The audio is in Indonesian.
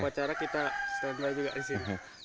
sama upacara kita sembar juga di sini